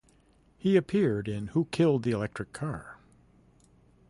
He appeared in Who Killed the Electric Car?